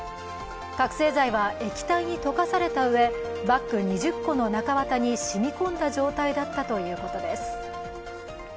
覚醒剤は液体に溶かされたうえ、バッグ２０個の中綿にしみ込んだ状態だったということです。